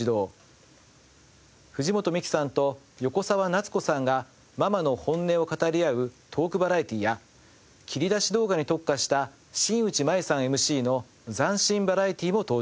藤本美貴さんと横澤夏子さんがママの本音を語り合うトークバラエティーや切り出し動画に特化した新内眞衣さんＭＣの斬新バラエティーも登場。